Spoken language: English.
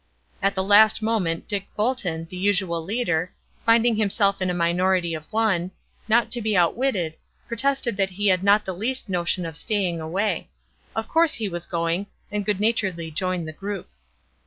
At the last moment Dick Bolton, the usual leader, finding himself in a minority of one, not to be outwitted, protested that he had not the least notion of staying away; of course he was going, and good naturedly joined the group.